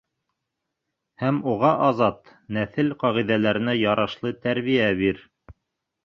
— Һәм уға Азат Нәҫел ҡағиҙәләренә ярашлы тәрбиә бир.